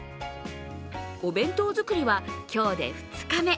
お弁当作りは今日で２日目。